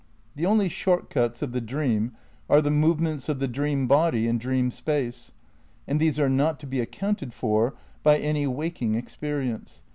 The only short cuts of the dream are the movements of the dream body in dream space; and these are not to be accounted for by any waking experience.